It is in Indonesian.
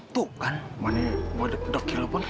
tuh kan mani